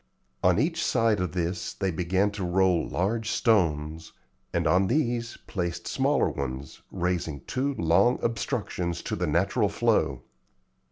On each side of this they began to roll large stones, and on these placed smaller ones, raising two long obstructions to the natural flow.